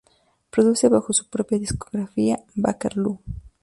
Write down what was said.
Produce bajo su propia discográfica, Bakerloo.